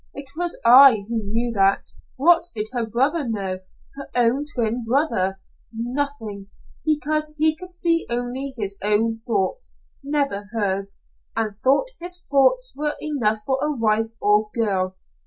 It was I who knew that. What did her brother know her own twin brother? Nothing, because he could see only his own thoughts, never hers, and thought his thoughts were enough for wife or girl.